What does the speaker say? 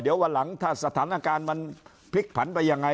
เดี๋ยววันหลังถ้าสถานการณ์มันพลิกผันไปยังไง